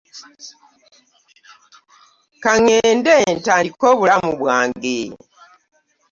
Ka ŋŋende ntandike obulamu obwange.